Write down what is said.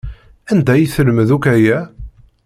Anda ay telmed akk aya?